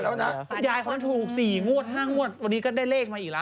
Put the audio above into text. พี่ยายของเราถูก๔งวด๕งวดวันนี้ก็ได้เลขมาอีกละ